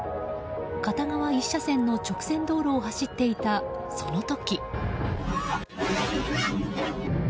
片側１車線の直線道路を走っていた、その時。